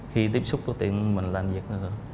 khi tiếp xúc có tiện mình làm việc